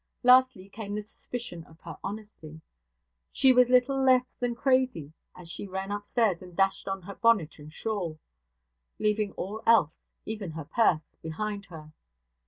Lastly came the suspicion of her honesty. She was little less than crazy as she ran upstairs and dashed on her bonnet and shawl; leaving all else, even her purse, behind her.